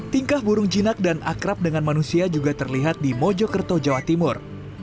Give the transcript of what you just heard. tingkah burung jinak dan akrab dengan manusia juga terlihat di mojokerto jawa timur